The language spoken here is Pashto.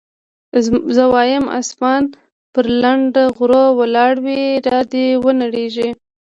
زه وايم که اسمان پر لنډه غرو ولاړ وي را دې ونړېږي.